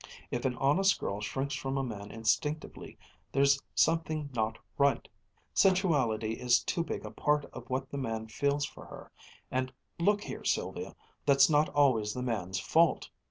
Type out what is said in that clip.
If an honest girl shrinks from a man instinctively, there's something not right sensuality is too big a part of what the man feels for her and look here, Sylvia, that's not always the man's fault.